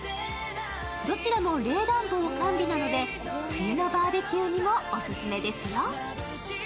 どちらも冷暖房完備なので冬のバーベキューにもオススメですよ。